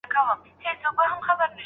آیا اوږدوالی تر سور زیات وي؟